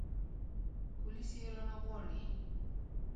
پوليس يې رانه غواړي.